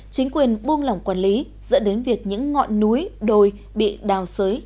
chính quyền buông lỏng quản lý dẫn đến việc những ngọn núi đồi bị đào sới